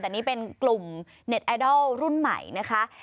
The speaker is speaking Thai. แต่นี่เป็นกลุ่มเน็ตไอดอลรุ่นใหม่นะคะ